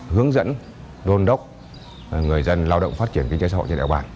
hướng dẫn đôn đốc người dân lao động phát triển kinh doanh xã hội trên đại bản